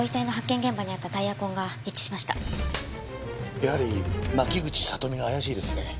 やはり牧口里美が怪しいですね。